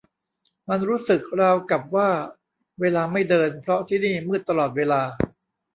มันรู้สึกราวกับว่าเวลาไม่เดิน เพราะที่นี่มืดตลอดเวลา